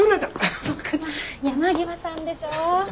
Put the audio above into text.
「山際さん」でしょ。